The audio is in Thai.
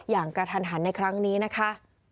อย่างกระทันหันในครั้งนี้นะคะ